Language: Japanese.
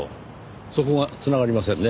そこが繋がりませんね。